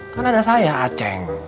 kan ada saya ceng